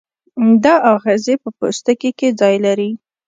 دا آخذه په پوستکي کې ځای لري.